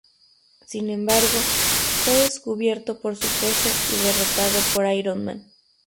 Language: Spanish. Sin embargo, fue descubierto por su jefe y derrotado por Iron Man.